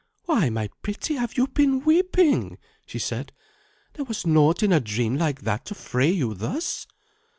"Why, my pretty, have you been weeping?" she said. "There was naught in a dream like that to fray you thus."